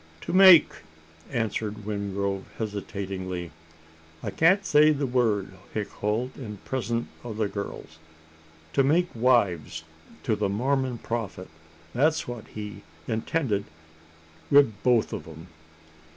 "To make " answered Wingrove hesitatingly. "I can't say the word, Hick Holt, in presence o' the girls to make wives to the Mormon Prophet that's what he intended wi' both o' 'em."